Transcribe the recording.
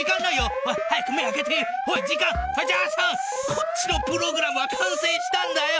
こっちのプログラムは完成したんだよ！